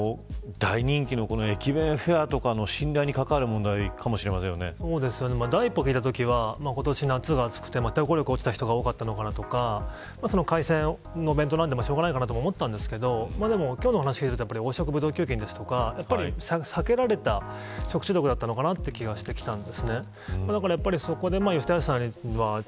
大人気の駅弁フェアとかの信頼に関わる問題かもし第一報を聞いたときは今年は夏が暑くて、体力が落ちた方が多かったのかなとか海鮮のお弁当なんでしょうがないかなと思ったんですけどでも今日のお話を聞いてると黄色ブドウ球菌とか避けられた食中毒だったのかなって気がしてきたんです。